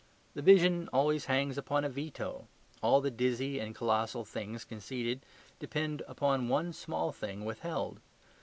The vision always hangs upon a veto. All the dizzy and colossal things conceded depend upon one small thing withheld.